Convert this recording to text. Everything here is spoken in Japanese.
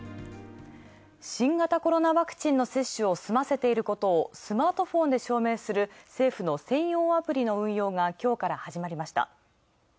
新型コロナワクチンの接種を済ませていることをスマートフォンで証明する政府の専用アプリの運用がきょうから始まりました。